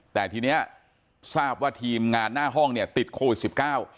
แต่ทีนี้ทราบว่าทีมงานหน้าห้องเนี่ยติดโควิด๑๙